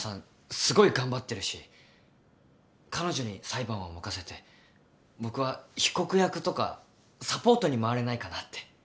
すごい頑張ってるし彼女に裁判は任せて僕は被告役とかサポートに回れないかなって。